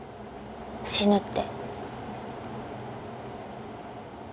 死ぬって。